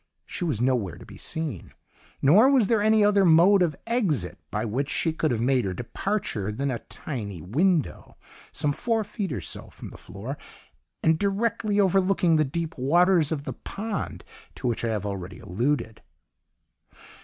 She was nowhere to be seen; nor was there any other mode of exit by which she could have made her departure than a tiny window, some four feet or so from the floor and directly overlooking the deep waters of the pond to which I have already alluded.